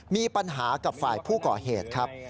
มีปัญหากับฝ่ายผู้ก่อเหตุครับ